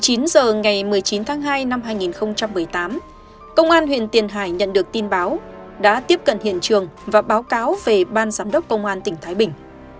khoảng chín giờ ngày một mươi chín tháng hai năm hai nghìn một mươi tám công an huyện tiền hải nhận được tin báo đã tiếp cận hiện trường và báo cáo về ban giám đốc công an tỉnh thái bình